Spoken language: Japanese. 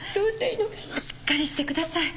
しっかりしてください。